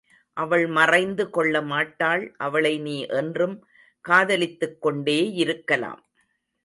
அவள் மறைந்து கொள்ள மாட்டாள், அவளை நீ என்றும் காதலித்துக் கொண்டேயிருக்கலாம்.